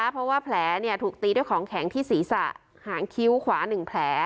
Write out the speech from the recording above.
เพราะว่าแผลถูกตีด้วยของแข็งที่ศีรษะหางคิ้วขวา๑แผล